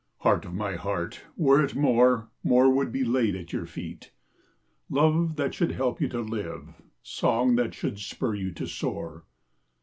Heart of my heart, were it more, More would be laid at your feet: Love that should help you to live, Song that should spur you to soar.